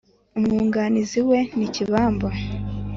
Umwunganizi we ni kibamba